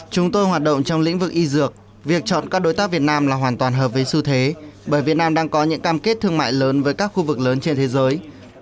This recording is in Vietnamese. chúng tôi hoạt động trong lĩnh vực y dược việc chọn các đối tác việt nam là hoàn toàn hợp với xu thế bởi việt nam đang có những cam kết thương mại lớn với các khu vực lớn trên thế giới